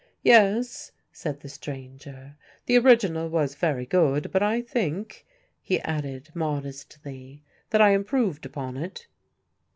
"Yes," said the stranger, "the original was very good, but I think," he added modestly, "that I improved upon it."